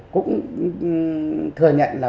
cũng thừa nhận là